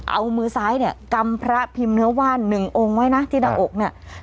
เอามือซ้ายเนี่ยกำพระพิมพ์เนื้อว่านหนึ่งองค์ไว้นะที่หน้าอกเนี่ย